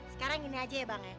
sekarang ini aja ya bang ya